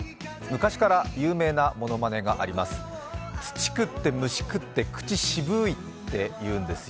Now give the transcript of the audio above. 昔から有名なものまねがあります。